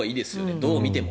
どうみても。